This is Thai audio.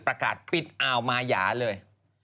ประกาศปิดอ่าวมายาเลย